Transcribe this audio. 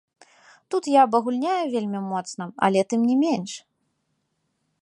Тут я абагульняю вельмі моцна, але тым не менш.